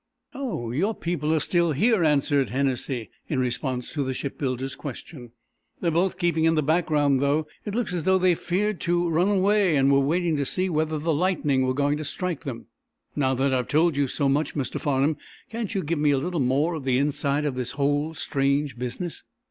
"Oh, your people are still here," answered Hennessy, in response to the shipbuilder's question. "They're both keeping in the background, though. It looks as though they feared to run away, and were waiting to see whether the lightning were going to strike them. Now, that I've told you so much, Mr. Farnum, can't you give me a little more of the inside of this whole strange business?"